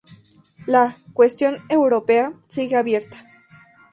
La "cuestión europea" sigue abierta.